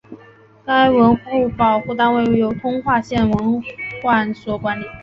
该文物保护单位由通化县文管所管理。